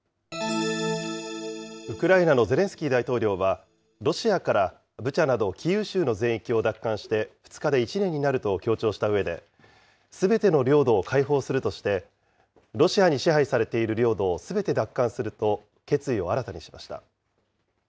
ウクライナのゼレンスキー大統領は、ロシアからブチャなどキーウ州の全域を奪還して２日で１年になると強調したうえで、すべての領土を解放するとして、ロシアに支配されている領土をすべて奪還すると、決意を新たにしました。